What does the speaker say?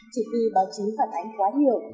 chỉ vì báo chí phản ánh quá nhiều